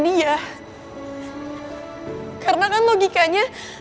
dia jatuhane gak udah suaranya